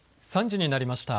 ３時になりました。